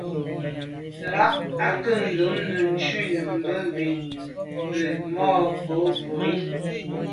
Là à ke’ dùm nejù nummbe bin ke’ ma’ ngwa bwe.